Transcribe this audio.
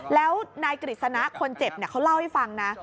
แล้วนายกฤษณะคนเจ็บเขาเล่าให้ฟังนะ